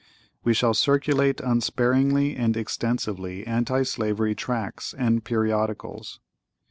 (¶ 37) We shall circulate, unsparingly and extensively, anti slavery tracts and periodicals.